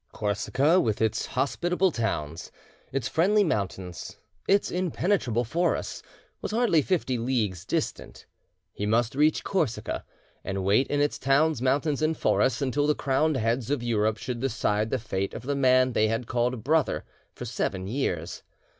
Corsica, with its hospitable towns, its friendly mountains, its impenetrable forests, was hardly fifty leagues distant; he must reach Corsica, and wait in its towns, mountains, and forests until the crowned heads of Europe should decide the fate of the man they had called brother for seven years.